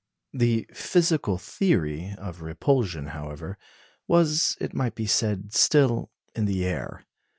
The physical theory of repulsion, however, was, it might be said, still in the air.